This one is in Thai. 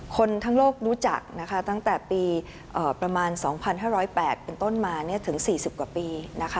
คนทั้งโลกรู้จักตั้งแต่ปีประมาณ๒๕๐๘เป็นต้นมาถึง๔๐กว่าปี